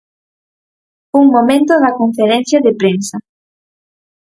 Un momento da conferencia de prensa.